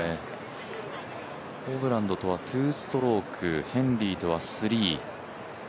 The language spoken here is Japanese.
ホブランドとは２ストローク、ヘンリーとは３。